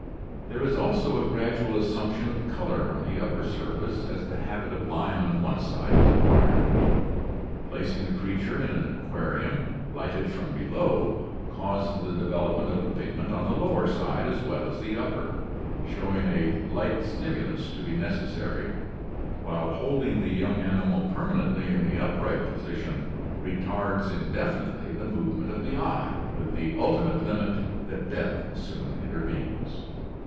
There is also a gradual as sumption of color on the upper surface as the habit of lying on one side is acquired. Placing the creature in an aquarium lighted from below causes the development of the pigment on the lower side as well as the upper, showing a light stimulus to be necessary, while holding the young animal permanently in the upright position retards indefinitely the movement of the eye. with the ultimate limit that death soon intervenes.